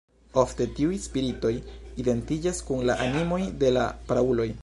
Ofte, tiuj spiritoj identiĝas kun la animoj de la prauloj.